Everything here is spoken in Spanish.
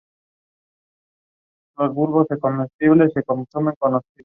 Tendrá que ser sustituida cuando haya perdido su capacidad de carga.